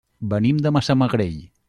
Venim de Massamagrell.